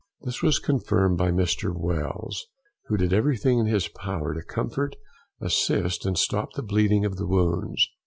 This was confirmed by Mr. Wells, who did everything in his power to comfort, assist, and stop the bleeding and wounds.